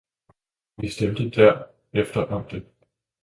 Vi stemte derefter om det.